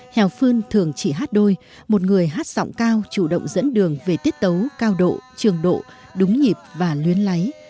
hèo phương thường chỉ hát đôi một người hát giọng cao chủ động dẫn đường về tiết tấu cao độ trường độ đúng nhịp và luyến lấy